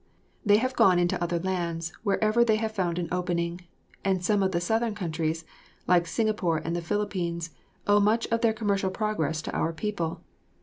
They have gone into other lands wherever they have found an opening, and some of the southern countries, like Singapore and the Philippines, owe much of their commercial progress to our people.